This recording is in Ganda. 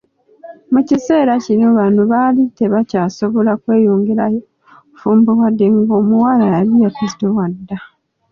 Mu kiseera kino bano baali tebakyasobola kweyongerayo n'obufumbo wadde ng'omuwala yali yazitowa dda.